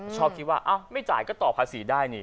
ชอบคิดว่าไม่จ่ายก็ต่อภาษีได้นี่